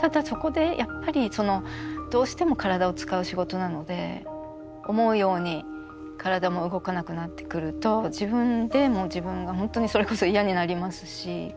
ただそこでやっぱりどうしても体を使う仕事なので思うように体も動かなくなってくると自分で自分が本当にそれこそ嫌になりますし。